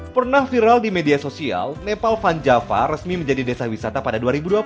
pernah viral di media sosial nepal van java resmi menjadi desa wisata pada dua ribu dua puluh